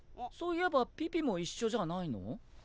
そういえばピピも一緒じゃないの？